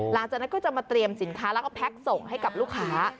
หลังจากนั้นก็จะมาเตรียมสินค้าแล้วก็แพ็คส่งให้กับลูกค้า